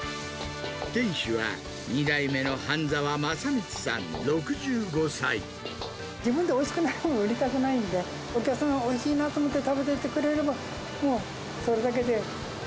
店主は、自分でおいしくないものを売りたくないんで、お客さんがおいしいなと思って食べていってくれれば、もう、それだけで。